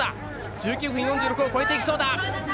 １９分４６を超えていきそうだ。